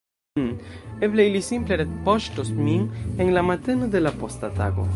Mmm, eble ili simple retpoŝtos min en la mateno de la posta tago.